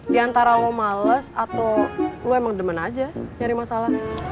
di antara lo males atau lo emang demen aja nyari masalah